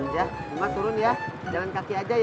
ya rumah turun ya jalan kaki aja ya